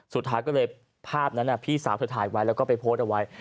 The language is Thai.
สุดท้ายก็เลยภาพนั้นพี่สาวเธอถ่ายไว้แล้วก็ไปโพสต์เอาไว้